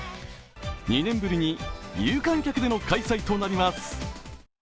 ２年ぶりに有観客での開催となります。